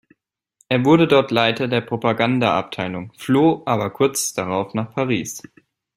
Er wurde dort Leiter der Propagandaabteilung, floh aber kurz darauf nach Paris.